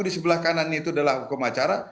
di sebelah kanannya itu adalah hukum acara